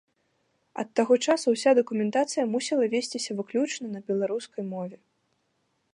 Ад таго часу ўся дакументацыя мусіла весціся выключна на беларускай мове.